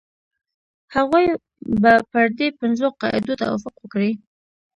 هغوی به پر دې پنځو قاعدو توافق وکړي.